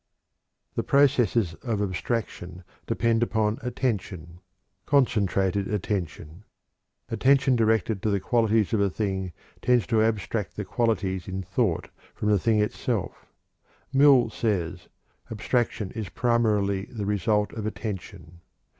The processes of abstraction depend upon attention concentrated attention. Attention directed to the qualities of a thing tends to abstract the qualities in thought from the thing itself. Mill says: "Abstraction is primarily the result of attention."